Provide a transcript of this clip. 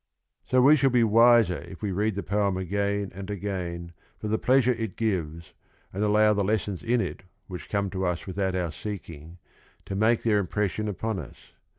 So we shall be wiser if we read the poem again and again for the pleasure it gives, and allow the lessons in it which come to us without our seeking to make their impression upon us.